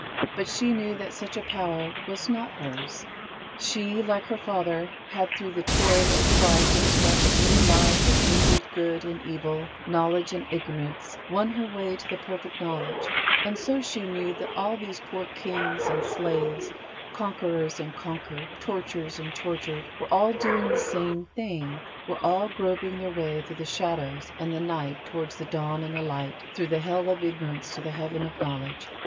But she knew that such a power was not hers. She, like her father, had, through the toil and strife and stress of many lives of mingled good and evil, knowledge and ignorance, won her way to the Perfect Knowledge; and so she knew that all these poor kings and slaves, conquerors and conquered, torturers and tortured, were all doing the same thing, were all groping their way through the shadows and the night towards the dawn and the light, through the hell of ignorance to the heaven of knowledge.